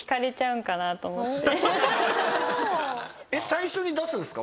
最初に出すんですか？